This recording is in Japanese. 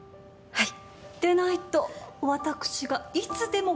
はい。